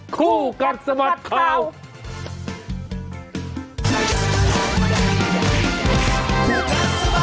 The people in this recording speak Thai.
คู่กันสมัติข่าวคู่กันสมัติข่าว